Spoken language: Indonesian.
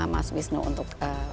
mas wisnu untuk